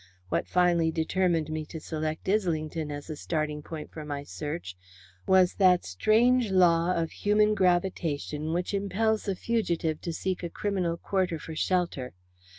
What finally determined me to select Islington as a starting point for my search was that strange law of human gravitation which impels a fugitive to seek a criminal quarter for shelter.